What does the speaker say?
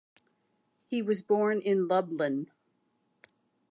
He was born in Lublin.